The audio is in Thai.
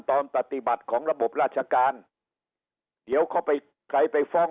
ตอนปฏิบัติของระบบราชการเดี๋ยวเขาไปใครไปฟ้อง